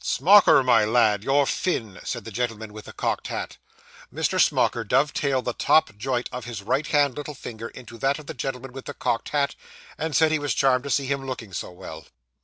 'Smauker, my lad, your fin,' said the gentleman with the cocked hat. Mr. Smauker dovetailed the top joint of his right hand little finger into that of the gentleman with the cocked hat, and said he was charmed to see him looking so well.